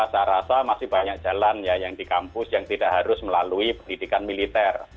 saya rasa masih banyak jalan ya yang di kampus yang tidak harus melalui pendidikan militer